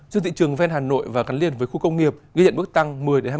giữa thị trường ven hà nội và cắn liền với khu công nghiệp ghi nhận mức tăng một mươi hai mươi